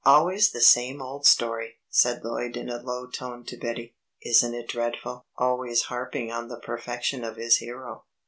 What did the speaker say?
"Always the same old story," said Lloyd in a low tone to Betty. "Isn't it dreadful? Always harping on the perfection of his hero.